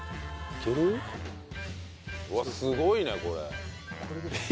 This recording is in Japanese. うわっすごいねこれ。